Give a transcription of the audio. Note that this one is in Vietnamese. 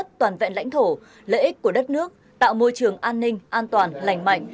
toàn vẹn lãnh thổ lợi ích của đất nước tạo môi trường an ninh an toàn lành mạnh